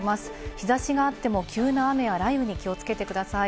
日差しがあっても急な雨や雷雨に気をつけてください。